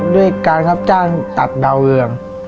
ด้วยการรับจ้างตัดดาวเรือง